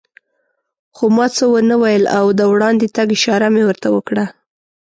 خو ما څه و نه ویل او د وړاندې تګ اشاره مې ورته وکړه.